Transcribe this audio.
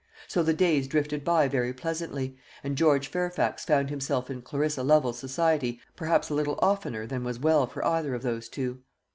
So the days drifted by very pleasantly, and George Fairfax found himself in Clarissa Lovel's society perhaps a little oftener than was well for either of those two.